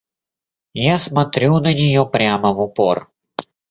Я смотрю на неё прямо в упор.